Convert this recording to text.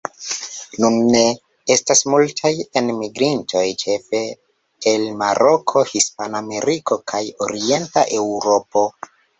Nune estas multaj enmigrintoj ĉefe el Maroko, Hispanameriko kaj Orienta Eŭropo.